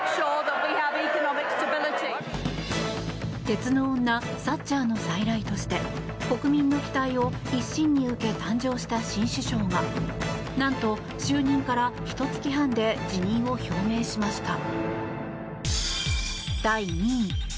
鉄の女サッチャーの再来として国民の期待を一身に受け誕生した新首相が何と、就任からひと月半で辞任を表明しました。